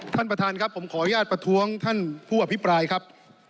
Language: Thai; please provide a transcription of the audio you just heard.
ท่านประธานครับผมขออนุญาตประท้วงท่านผู้อภิปรายครับ